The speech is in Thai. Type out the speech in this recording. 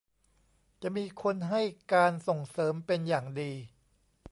จะมีคนให้การส่งเสริมเป็นอย่างดี